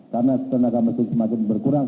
karena tenaga mesin semakin berkurang